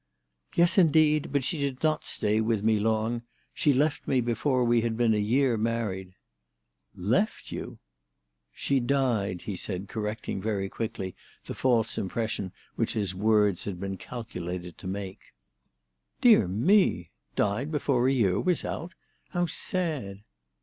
"Yes indeed. But she did not stay with me long. She left me before we had been a year married." "Left you!" " She died," he said, correcting very quickly the false impression which his words had been calculated to make. THE TELEGRAPH GIRL. 289 " Dear me ! Died before a year was out. How sad!"